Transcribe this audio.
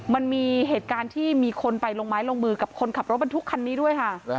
มันมีเหตุการณ์ที่มีคนไปลงไม้ลงมือกับคนขับรถบรรทุกคันนี้ด้วยค่ะ